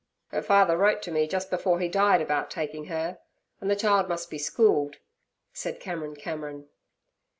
'Her father wrote to me just before he died about taking her—and the child must be schooled' said Cameron Cameron.